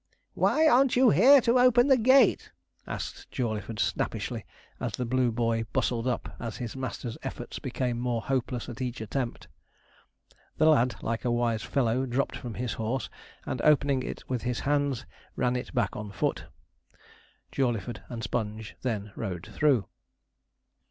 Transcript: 'Why aren't you here to open the gate?' asked Jawleyford, snappishly, as the blue boy bustled up as his master's efforts became more hopeless at each attempt. The lad, like a wise fellow, dropped from his horse, and opening it with his hands, ran it back on foot. Jawleyford and Sponge then rode through.